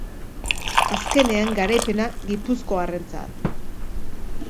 Azkenean, garaipena gipuzkoarrentzat.